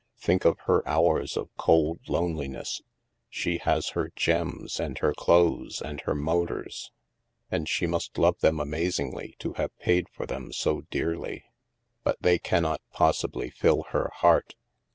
Think of her hours of cold loneliness; she has her gems, and her clothes, and her motors ; and she must love them amazingly to have paid for them so dearly. But they cannot possibly fill her heart.